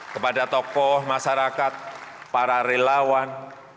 kepada tokoh masyarakat para relawan